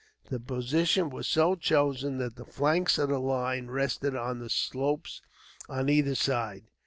The position was so chosen that the flanks of the line rested on the slopes on either side.